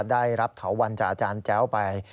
ได้รับเถาวันจากอาจารย์แจ้วไป